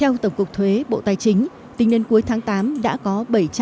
theo tổng cục thuế bộ tài chính tính đến cuối tháng tám đã có bảy trăm tám mươi bảy đồng